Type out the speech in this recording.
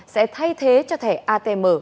sẽ thay thế cho thẻ atm